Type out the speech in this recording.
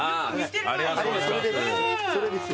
それです。